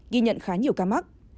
ghi nhận khá nhiều ca mắc